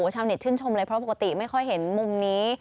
ชาวเน็ตชื่นชมเลยเพราะปกติไม่ค่อยเห็นมุมนี้